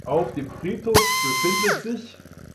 Auf dem Friedhof befinden sich